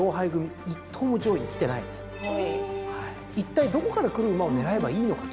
いったいどこからくる馬を狙えばいいのか。